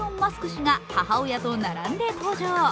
氏が母親と並んで登場。